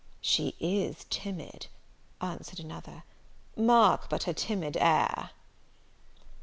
"She is timid," answered another; "mark but her timid air."